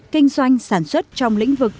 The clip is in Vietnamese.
kinh doanh sản xuất trong lĩnh vực